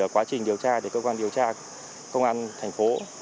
quá trình điều tra thì cơ quan điều tra công an thành phố